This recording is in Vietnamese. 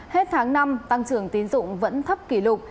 hết tháng năm tăng trưởng tín dụng vẫn thấp kỷ lục